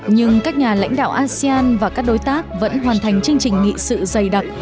nhưng các nhà lãnh đạo asean và các đối tác vẫn hoàn thành chương trình nghị sự dày đặc